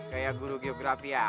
kayak guru geografi ya